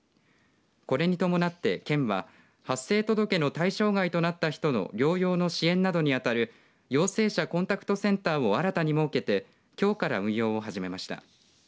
これに伴って県は発生届の対象外となった人の療養の支援などに当たる陽性者コンタクトセンターを新たに設けてきょうから運用を始めました。